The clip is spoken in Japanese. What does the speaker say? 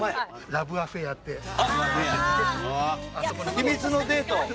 『秘密のデート』